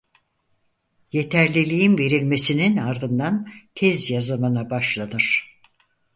Yeterliliğin verilmesinin ardından tez yazımına başlanır.